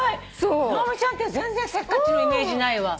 直美ちゃんって全然せっかちのイメージないわ。